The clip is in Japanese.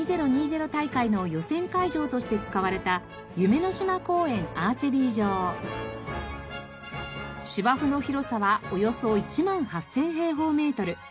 大会の予選会場として使われた芝生の広さはおよそ１万８０００平方メートル。